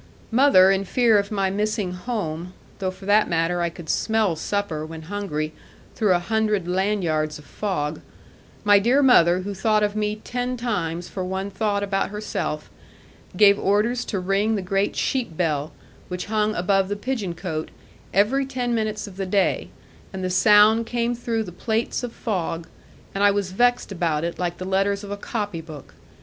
Mother, in fear of my missing home though for that matter, I could smell supper, when hungry, through a hundred land yards of fog my dear mother, who thought of me ten times for one thought about herself, gave orders to ring the great sheep bell, which hung above the pigeon cote, every ten minutes of the day, and the sound came through the plaits of fog, and I was vexed about it, like the letters of a copy book.